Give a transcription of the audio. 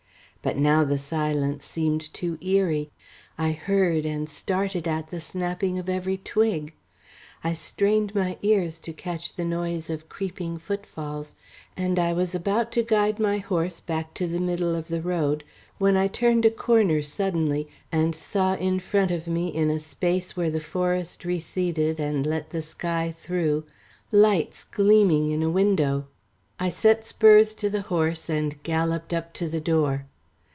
But now the silence seemed too eerie I heard, and started at, the snapping of every twig. I strained my ears to catch the noise of creeping footfalls, and I was about to guide my horse back to the middle of the road, when I turned a corner suddenly, and saw in front of me in a space where the forest receded and let the sky through, lights gleaming in a window. I set spurs to the horse and galloped up to the door.